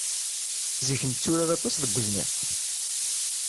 Zik netturar aṭas deg uzniq.